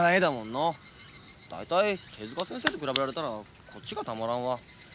大体手先生と比べられたらこっちがたまらんわ。